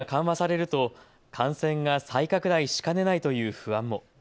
その一方、人数が緩和されると感染が再拡大しかねないという不安も。